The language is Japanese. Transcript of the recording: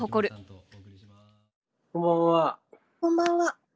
「こんばんは。